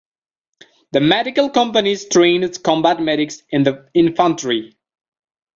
The medical companies trained combat medics in the infantry.